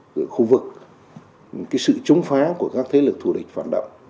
của khu vực cái sự trúng phá của các thế lực thù địch phản động